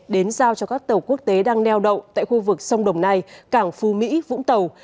đến giao cho các tàu quốc tế đang neo đậu tại khu vực sông đồng nai cảng phú mỹ vũng tàu